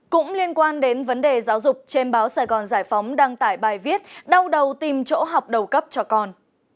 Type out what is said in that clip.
cũng liên quan đến vấn đề giáo dục trên báo sài gòn giải phóng đăng tải bài viết đau đầu tìm chỗ học đầu cấp cho con